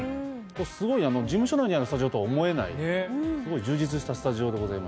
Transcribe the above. すごい事務所内にあるスタジオとは思えないすごい充実したスタジオでございまして。